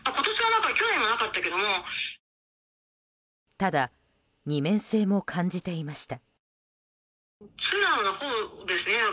ただ、二面性も感じていました。